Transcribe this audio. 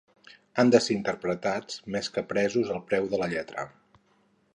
Han de ser interpretats, més que presos al peu de la lletra.